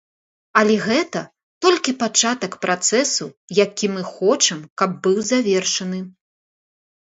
Але гэта толькі пачатак працэсу, які мы хочам, каб быў завершаны.